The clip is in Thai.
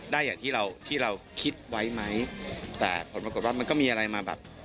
ได้อย่างที่เราที่เราคิดไว้ไหมแต่ผลปรากฏว่ามันก็มีอะไรมาแบบ